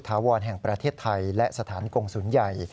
ถาวรแห่งประเทศไทยและสถานกงศูนย์ใหญ่